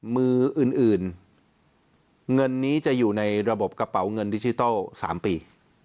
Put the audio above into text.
มืออื่นเงินนี้จะอยู่ในระบบกระเป๋าเงินดิจิทัล๓ปี